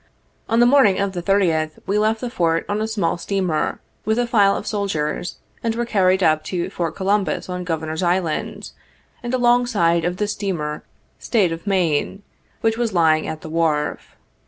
On the morning of the 30th, we left the Fort on a small steamer, with a file of soldiers, and were carried up to Fort Columbus, on Governor's Island, and alongside of the steamer "State of Maine," which was lying at the wharf.